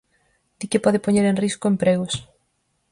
Di que pode poñer en risco empregos.